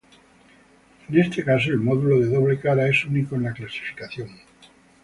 En este caso, el módulo de doble cara es único en la clasificación.